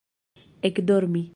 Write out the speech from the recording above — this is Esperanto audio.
ekdormi